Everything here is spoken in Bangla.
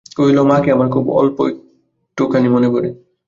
কহিল, মাকে আমার খুব অল্প একটুখানি মনে পড়ে।